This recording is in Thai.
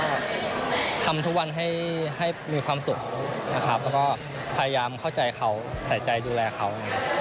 ก็ทำทุกวันให้มีความสุขพยายามเข้าใจเขาดูแลเขา